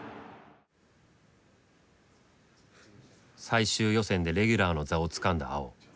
最終予選でレギュラーの座をつかんだ碧。